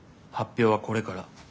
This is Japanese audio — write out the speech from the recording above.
発表はこれから。